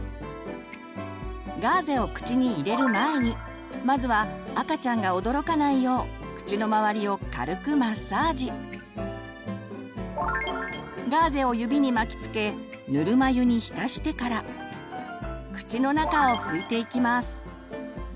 ガーゼを口に入れる前にまずは赤ちゃんが驚かないようガーゼを指に巻きつけぬるま湯に浸してから口の中を拭いていきます。